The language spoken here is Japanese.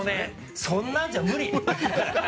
そんなんじゃ無理！